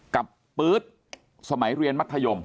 ปื๊ดสมัยเรียนมัธยม